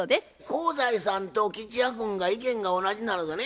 香西さんと吉弥君が意見が同じなのでね